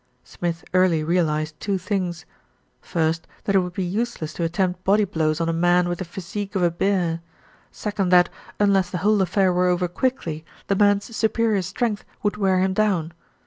Smith early realised two things. First that it would be useless to attempt body blows on a man with the physique of a bear; second that, unless the whole affair were over quickly, the man's superior strength would wear him down.